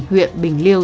huyện bình liêu